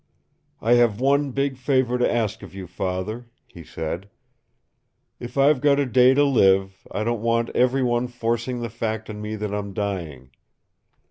"I have one big favor to ask of you, Father," he said. "If I've got a day to live, I don't want every one forcing the fact on me that I'm dying.